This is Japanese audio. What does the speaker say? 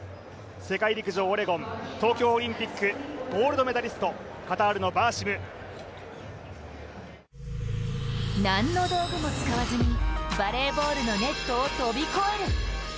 世界陸上オレゴン、東京オリンピックゴールドメダリスト、カタールのバーシム。何の道具も使わずにバレーボールのネットを飛び越える。